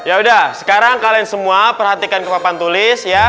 ya udah sekarang kalian semua perhatikan kepapan tulis ya